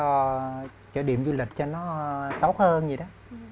cho điểm du lịch cho nó tốt hơn vậy đó